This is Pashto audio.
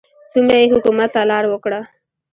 څومره یې حکومت ته لار وکړه.